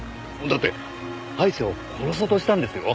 だってアイシャを殺そうとしたんですよ！？